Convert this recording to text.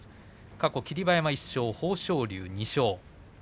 過去、霧馬山１勝豊昇龍２勝です。